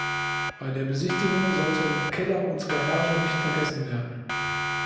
Bei der Besichtigung sollten Keller und Garage nicht vergessen werden.